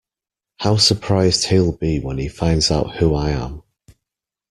How surprised he’ll be when he finds out who I am!